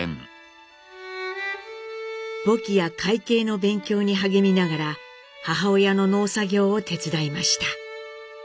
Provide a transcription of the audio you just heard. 簿記や会計の勉強に励みながら母親の農作業を手伝いました。